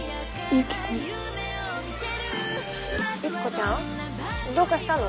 ユキコちゃんどうかしたの？